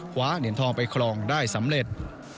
คว้าเหรียญทองไปครองได้สำเร็จ